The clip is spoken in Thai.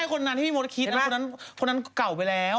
คนนั้นที่พี่มดคิดนะคนนั้นเก่าไปแล้ว